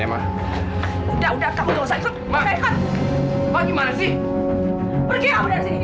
nggak ada apa apa